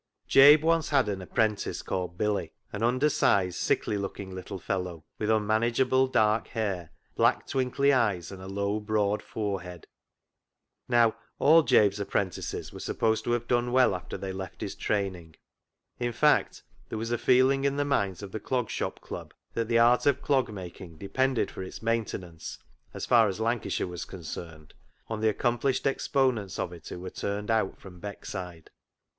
Jabe once had an apprentice called Billy — an undersized, sickly looking little fellow with unmanageable dark hair, black twinkly eyes, and a low, broad forehead. Now, all Jabe's apprentices were supposed to have done well after they left his training — in fact there was a feeling in the minds of the Clog Shop Club that the art of clog making depended for its maintenance, as far as Lancashire was concerned, on the accom plished exponents of it who were turned out from Beckside.